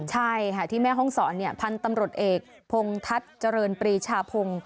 ใช่ค่ะที่แม่ห้องศรพันธุ์ตำรวจเอกพงทัศน์เจริญปรีชาพงศ์